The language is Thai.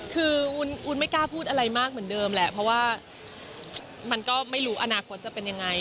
คืออุ้นไม่กล้าพูดอะไรมากเหมือนเดิมแหละเพราะว่ามันก็ไม่รู้อนาคตจะเป็นยังไง